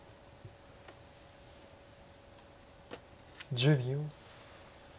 １０秒。